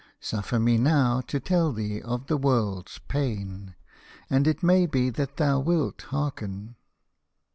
Suffer me now to tell thee of the world's pain, and it may be that thou wilt hearken.